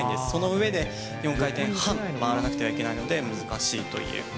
その上で４回転半回らなくてはならないので、難しいという。